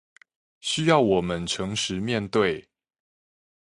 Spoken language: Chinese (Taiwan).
需要我們誠實面對